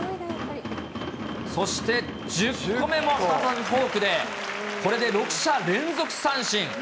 そして１０個目も再びフォークで、これで６者連続三振。